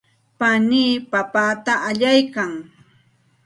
panii papata allaykan.